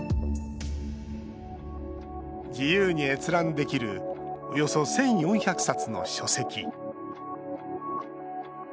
自由に閲覧できるおよそ１４００冊の書籍。